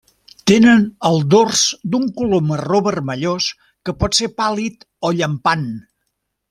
Tenen el dors d'un color marró vermellós que pot ser pàl·lid o llampant.